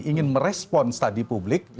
ingin merespon studi publik